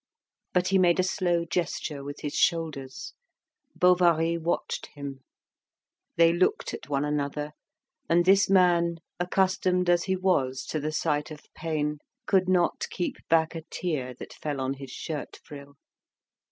But he made a slow gesture with his shoulders. Bovary watched him; they looked at one another; and this man, accustomed as he was to the sight of pain, could not keep back a tear that fell on his shirt frill.